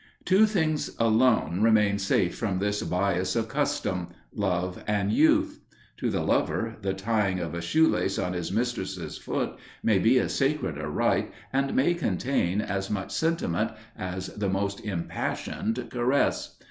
Two things alone remain safe from this bias of custom Love and Youth. To the lover, the tying of a shoe lace on his mistress's foot may be as sacred a rite and may contain as much sentiment as the most impassioned caress.